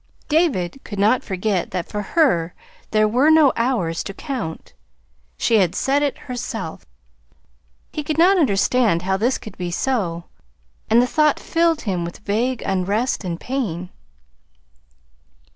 David could not forget that for her there were no hours to count; she had said it herself. He could not understand how this could be so; and the thought filled him with vague unrest and pain.